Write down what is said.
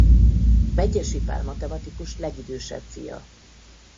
Medgyessy Pál matematikus legidősebb fia.